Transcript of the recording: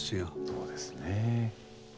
そうですね。